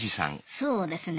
そうですね。